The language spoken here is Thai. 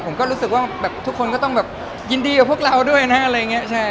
ผมก็รู้สึกว่าแบบทุกคนก็ต้องแบบยินดีกับพวกเราด้วยนะอะไรอย่างนี้ใช่